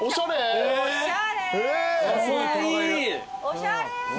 おしゃれ。